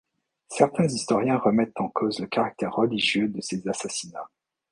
Certains historiens remettent en cause le caractère religieux de ces assassinats.